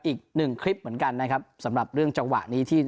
อีกหนึ่งคลิปเหมือนกันนะครับสำหรับเรื่องจังหวะนี้ที่